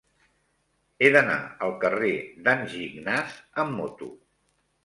He d'anar al carrer d'en Gignàs amb moto.